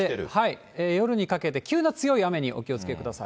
夜にかけて急な強い雨にお気をつけください。